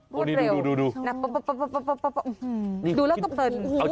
ปุ๊บรวดเร็วดูดูแล้วก็เปิด